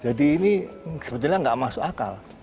jadi ini sebetulnya nggak masuk akal